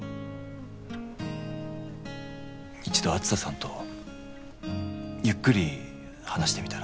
一度梓さんとゆっくり話してみたら？